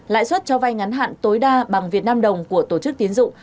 lãi suất cho vay ngắn hạn tối đa bằng việt nam đồng của tổ chức tiến dụng